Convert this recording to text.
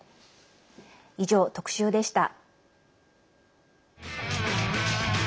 以上、特集でした。